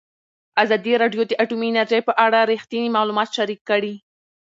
ازادي راډیو د اټومي انرژي په اړه رښتیني معلومات شریک کړي.